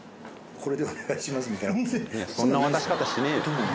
そんな渡し方しねぇよ。